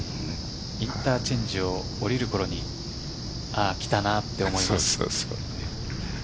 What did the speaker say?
インターチェンジを降りるころに来たなと思いますと。